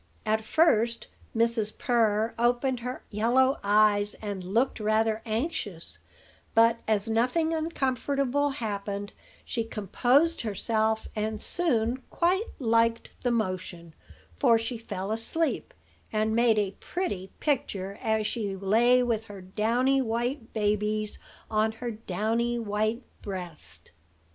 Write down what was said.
At first Mrs. Purr opened her yellow eyes, and looked rather anxious: but, as nothing uncomfortable happened, she composed herself, and soon quite liked the motion; for she fell asleep, and made a pretty picture as she lay with her downy white babies on her downy white breast.